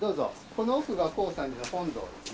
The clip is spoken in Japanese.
この奥が耕三寺の本堂ですね。